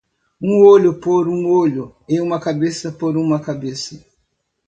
"Um olho por um olho e uma cabeça por uma cabeça"